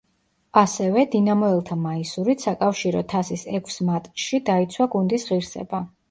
ასევე, დინამოელთა მაისურით საკავშირო თასის ექვს მატჩში დაიცვა გუნდის ღირსება.